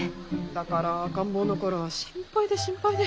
だから赤ん坊の頃は心配で心配で。